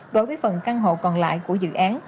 đối với phần căn hộ còn lại của dự án